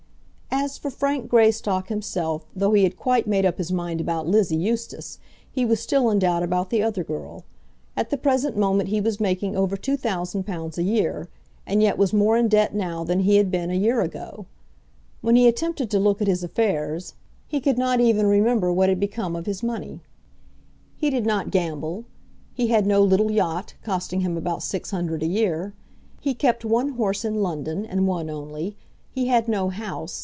As for Frank Greystock himself, though he had quite made up his mind about Lizzie Eustace, he was still in doubt about the other girl. At the present moment he was making over two thousand pounds a year, and yet was more in debt now than he had been a year ago. When he attempted to look at his affairs, he could not even remember what had become of his money. He did not gamble. He had no little yacht, costing him about six hundred a year. He kept one horse in London, and one only. He had no house.